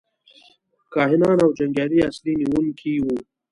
کاهنان او جنګیالي اصلي نیونکي وو.